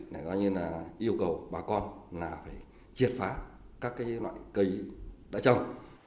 để yêu cầu bà con triệt phá các loại cây đã trồng